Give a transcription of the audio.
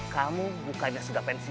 kamu bukannya seda pensil